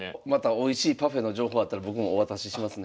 おいしいパフェの情報あったら僕もお渡ししますね。